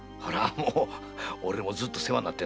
俺もずっと世話になってんだ。